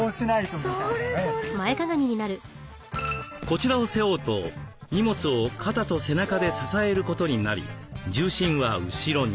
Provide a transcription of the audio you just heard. こちらを背負うと荷物を肩と背中で支えることになり重心は後ろに。